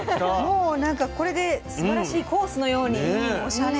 もうこれですばらしいコースのようにおしゃれ。